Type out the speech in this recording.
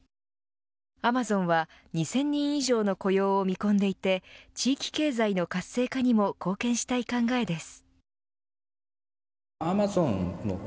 アマゾンは２０００人以上の雇用を見込んでいて地域経済の活性化にも貢献したい考えです。